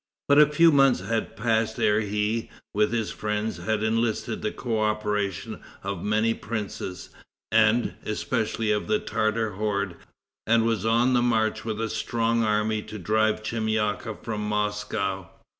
But a few months had passed ere he, with his friends, had enlisted the coöperation of many princes, and especially of the Tartar horde, and was on the march with a strong army to drive Chemyaka from Moscow.